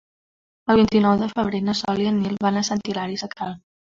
El vint-i-nou de febrer na Sol i en Nil van a Sant Hilari Sacalm.